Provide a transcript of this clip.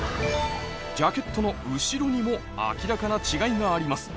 ジャケットの後ろにも明らかな違いがあります